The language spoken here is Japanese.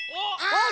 あっ！